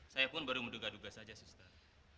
saya pun baru menduga duga saja suster